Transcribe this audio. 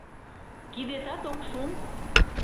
Кидетат ок шум?..